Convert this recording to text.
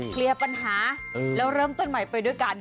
เคลียร์ปัญหาแล้วเริ่มต้นใหม่ไปด้วยกัน